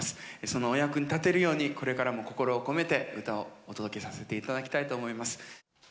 そのお役に立てるように、これからも心を込めて歌をお届けさせていただきたいと思います。